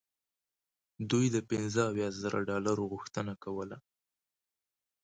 دوی د پنځه اویا زره ډالرو غوښتنه کوله.